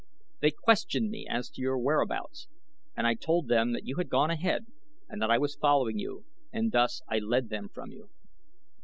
They questioned me as to your whereabouts, and I told them that you had gone ahead and that I was following you and thus I led them from you."